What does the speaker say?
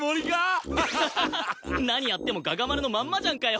何やっても我牙丸のまんまじゃんかよ！